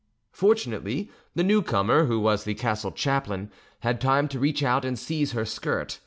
Fortunately, the new comer, who was the castle chaplain, had time to reach out and seize her skirt.